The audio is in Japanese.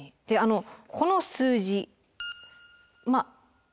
であのこの数字まっ。